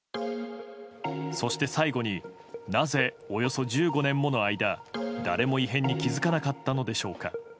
そして最後になぜ、およそ１５年もの間誰も異変に気付かなかったのでしょうか。